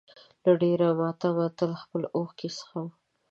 له ډېر ماتمه تل خپلې اوښکې څښم.